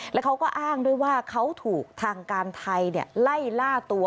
แล้วเขาก็อ้างด้วยว่าเขาถูกทางการไทยไล่ล่าตัว